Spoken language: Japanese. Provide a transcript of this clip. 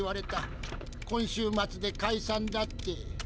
今週末で解散だって。